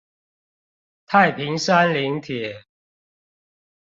太平山林鐵